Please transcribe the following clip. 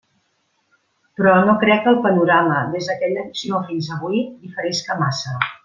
Però no crec que el panorama, des d'aquella visió fins avui, diferisca massa.